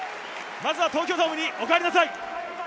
まずは東京ドームにおかえりなさい！